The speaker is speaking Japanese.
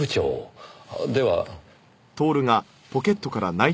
では。